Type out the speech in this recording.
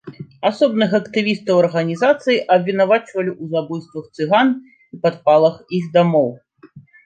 Асобных актывістаў арганізацыі абвінавачвалі ў забойствах цыган і падпалах іх дамоў.